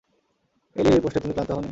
এলির এই প্রশ্নে তুমি ক্লান্ত হওনি?